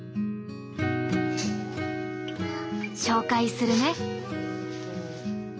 紹介するね。